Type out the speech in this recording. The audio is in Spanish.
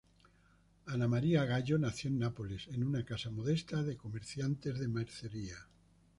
Anna Maria Gallo nació en Nápoles en una casa modesta de comerciantes de mercería.